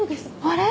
あれ？